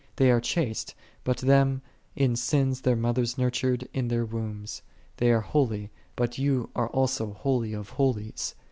They are chaste: but them in sins their mothers nurtured in their wombs." They are holy, but Thou art also Holy of Holies.